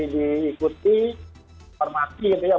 diikuti informasi gitu ya